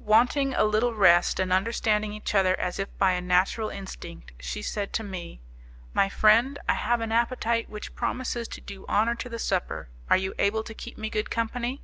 Wanting a little rest, and understanding each other as if by a natural instinct, she said to me, "My friend, I have an appetite which promises to do honour to the supper; are you able to keep me good company?"